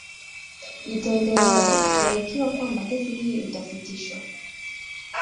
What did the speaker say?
itaendelea na ikiwa kwamba kesi hii itasitishwa